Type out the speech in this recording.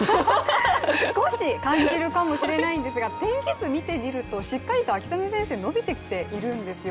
少し、感じるかもしれませんが天気図を見てみると、しっかり秋雨前線のびてきているんですよ。